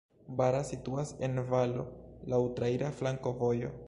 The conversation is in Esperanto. Bara situas en valo, laŭ traira flankovojo.